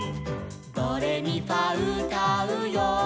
「ドレミファうたうよ」